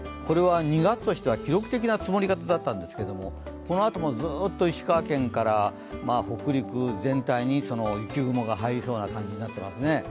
これは２月としては記録的な積もり方だったんですが、このあともずっと石川県から北陸全体に雪雲が入りそうな感じになってますね。